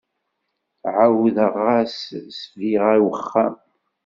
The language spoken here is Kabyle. Ɛawdeɣ-as ssbiɣa i wexxam.